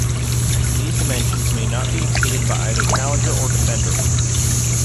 These dimensions may not be exceeded by either challenger or defender.